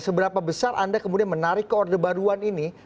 seberapa besar anda kemudian menarik koorde baruan ini